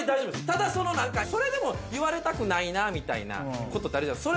ただその何かそれでも言われたくないなみたいなことってあるじゃないですか